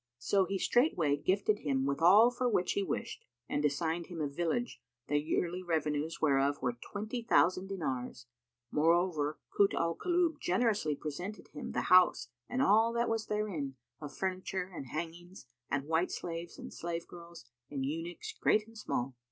So he straightway gifted him with all for which he wished and assigned him a village, the yearly revenues whereof were twenty thousand dinars. Moreover Kut al Kulub generously presented him the house and all that was therein of furniture and hangings and white slaves and slave girls and eunuchs great and small.